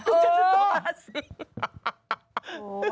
เออ